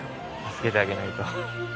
助けてあげないと。